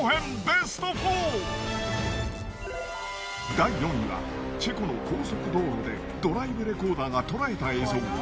第４位はチェコの高速道路でドライブレコーダーが捉えた映像。